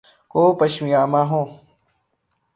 کو پشیماں ہوں